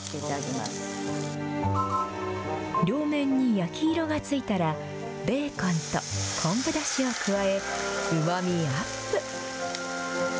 焼き色がついたら、ベーコンと昆布だしを加え、うまみアップ。